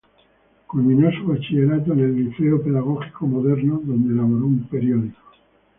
Culminó su bachillerato en el Liceo Pedagógico Moderno, donde elaboró un periódico.